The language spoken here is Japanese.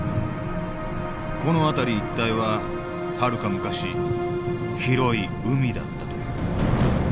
この辺り一帯ははるか昔広い海だったという。